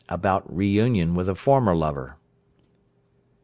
ABOUT RE UNION WITH A FORMER LOVER.